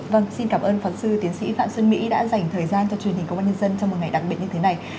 vâng xin cảm ơn phó sư tiến sĩ phạm xuân mỹ đã dành thời gian cho truyền hình công an nhân dân trong một ngày đặc biệt như thế này